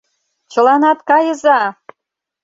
— Чыланат кайыза!